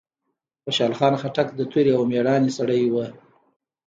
خوشحال خان خټک د توری او ميړانې سړی وه.